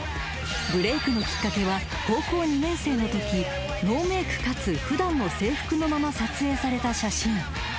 ［ブレークのきっかけは高校２年生のときノーメークかつ普段の制服のまま撮影された写真］